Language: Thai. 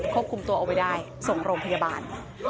ควบคุมตัวเอาไว้ได้ส่งโรงพยาบาล